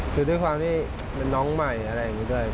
คือด้วยความที่เป็นน้องใหม่อะไรอย่างนี้ด้วย